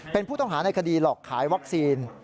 เป็นผู้ต้องหาในคดีหลอกขายวัคซีน